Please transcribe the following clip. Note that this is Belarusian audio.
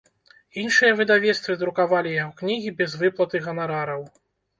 Іншыя выдавецтвы друкавалі яго кнігі без выплаты ганарараў.